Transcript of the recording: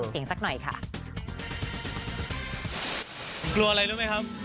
เออ